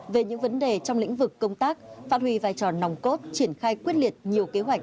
về những vấn đề trong lĩnh vực công tác phát huy vai trò nòng cốt triển khai quyết liệt nhiều kế hoạch